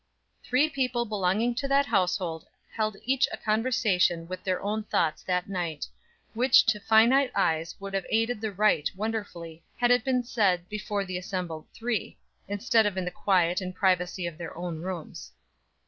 Three people belonging to that household held each a conversation with their own thoughts that night, which to finite eyes would have aided the right wonderfully had it been said before the assembled three, instead of in the quiet and privacy of their own rooms.